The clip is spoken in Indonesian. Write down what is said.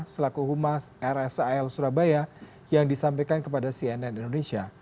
selaku humas rsal surabaya yang disampaikan kepada cnn indonesia